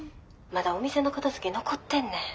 まだお店の片づけ残ってんねん。